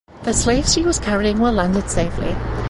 The slaves she was carrying were landed safely.